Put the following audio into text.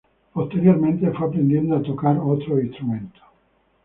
Posteriormente fue aprendiendo a tocar otros instrumentos.